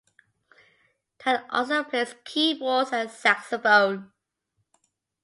Ted also plays keyboards and saxophone.